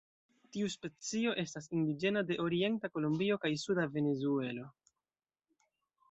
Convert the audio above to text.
Tiu specio estas indiĝena de orienta Kolombio kaj suda Venezuelo.